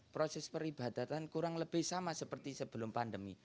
proses peribadatan kurang lebih sama seperti sebelumnya